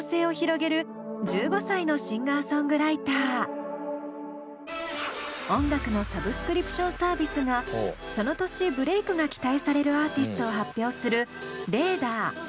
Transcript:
今回は音楽のサブスクリプションサービスがその年ブレイクが期待されるアーティストを発表する「ＲＡＤＡＲ：ＥａｒｌｙＮｏｉｓｅ」。